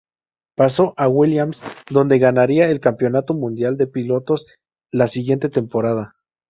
Pasó a Williams, donde ganaría el campeonato mundial de pilotos la siguiente temporada.